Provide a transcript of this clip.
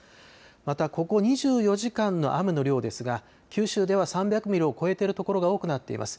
またここ２４時間の雨の量ですが九州では３００ミリを超えている所が多くなっています。